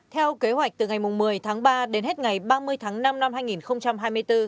theo kế hoạch từ ngày một mươi tháng ba đến hết ngày ba mươi tháng năm năm hai nghìn hai mươi bốn